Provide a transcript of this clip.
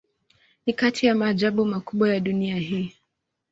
Ni kati ya maajabu makubwa ya dunia hii.